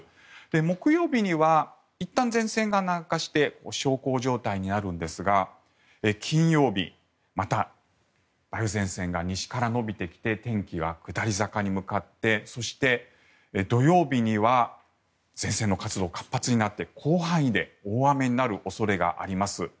木曜日にはいったん前線が南下して小康状態になるんですが金曜日、また梅雨前線が西から延びてきて天気が下り坂に向かってそして土曜日には前線の活動が活発になって広範囲で大雨になる恐れがあります。